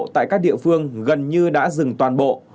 tại các địa phương gần như đã dừng toàn bộ